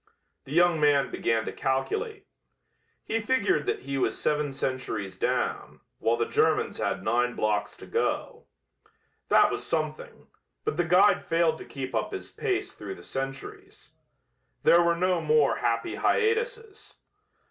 The young man began to calculate. He figured that he was seven centuries down, while the Germans had nine blocks to go. That was something, but the guide failed to keep up his pace through the centuries. There were no more happy hiatuses.